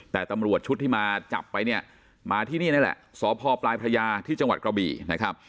แต่ตำรวจชุดที่มาจับไปมาที่นี้นั่นแหละสพปพตก